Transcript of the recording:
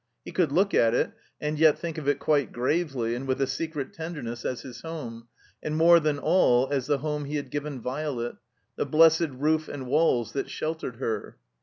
He could look at it, and yet think of it quite gravely and with a secret tenderness as his home, and more than all as the home he had given Violet, the blessed roof and walls that sheltered her.